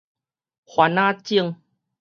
番子井